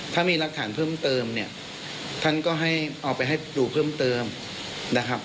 ถ้ามีรักฐานเพิ่มเติมเนี่ยท่านก็ให้เอาไปให้ดูเพิ่มเติมนะครับ